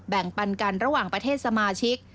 ปันกันระหว่างประเทศสมาชิก